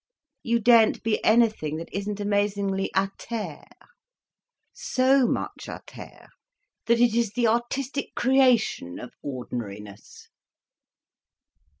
You daren't be anything that isn't amazingly à terre, so much à terre that it is the artistic creation of ordinariness."